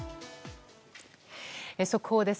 速報です。